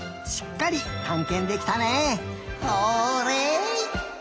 しっかりたんけんできたね。